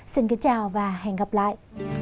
xin kính chào và hẹn gặp lại